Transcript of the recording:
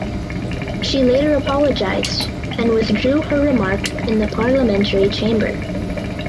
She later apologised and withdrew her remark in the parliamentary chamber.